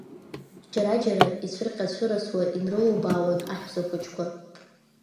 Џьара-џьара ицәырҟьацәырасуа инрылубаауан аҳәсахәыҷқәа.